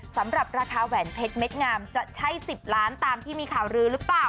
สำหรับราคาแหวนเพชรเม็ดงามจะใช่๑๐ล้านตามที่มีข่าวรื้อหรือเปล่า